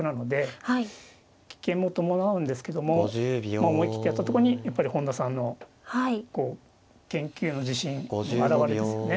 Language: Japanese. まあ思い切ってやったとこにやっぱり本田さんの研究の自信の表れですよね。